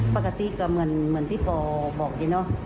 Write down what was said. ปกติเหมือนที่บอบอกอย่างน้อย